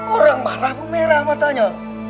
orang marah bu merah matanya